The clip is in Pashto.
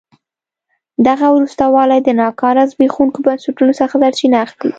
دغه وروسته والی د ناکاره زبېښونکو بنسټونو څخه سرچینه اخلي.